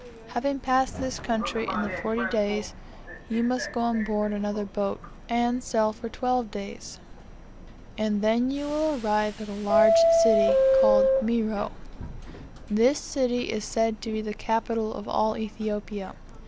Having passed this country in the forty days, you must go on board another boat, and sail for twelve days; and then you will arrive at a large city, called Meroe; this city is said to be the capital of all Ethiopia.